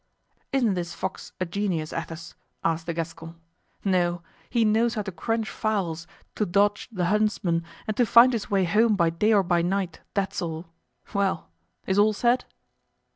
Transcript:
"Isn't this fox a genius, Athos?" asked the Gascon. "No! he knows how to crunch fowls, to dodge the huntsman and to find his way home by day or by night, that's all. Well, is all said?"